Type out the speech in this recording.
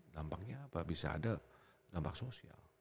dampaknya apa bisa ada dampak sosial